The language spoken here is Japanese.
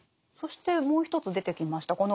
そしてもう一つ出てきました